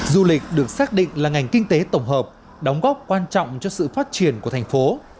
du lịch được xác định là ngành kinh tế tổng hợp đóng góp quan trọng cho sự phát triển của thành phố